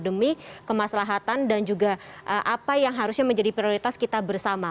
demi kemaslahatan dan juga apa yang harusnya menjadi prioritas kita bersama